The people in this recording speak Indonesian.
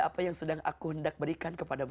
apa yang sedang aku hendak berikan kepada nabi